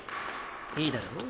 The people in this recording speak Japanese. いいだろう？